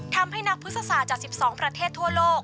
ทำให้นักพฤษศาสตร์จาก๑๒ประเทศทั่วโลก